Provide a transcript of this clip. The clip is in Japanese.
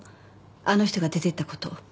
あの人が出ていったこと。